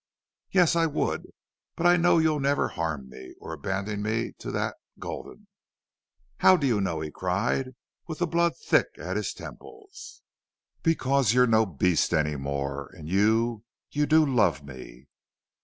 "Yes, I would.... But I KNOW you'll never harm me or abandon me to to that Gulden." "HOW do you know?" he cried, with the blood thick at his temples. "Because you're no beast any more.... And you you do love me."